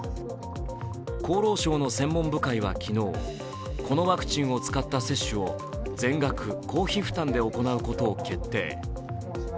厚労省の専門部会は昨日、このワクチンを使った接種を全額公費負担で行うことを決定。